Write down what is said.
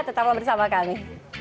tetap bersama kami